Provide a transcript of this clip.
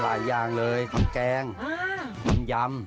หลายอย่างเลยมันแกงมันยำ